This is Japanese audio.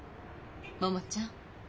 「桃ちゃん